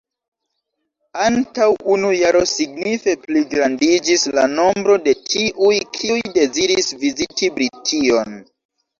Antaŭ unu jaro signife pligrandiĝis la nombro de tiuj, kiuj deziris viziti Brition.